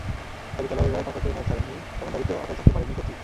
তবে খেলোয়াড়েরা টাকা খেয়ে ম্যাচ ছাড়েননি, এমন দাবিতে অটল থাকতে পারেননি কোচই।